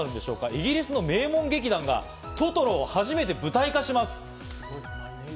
イギリスの名門劇団が『トトロ』を初めて舞台化します。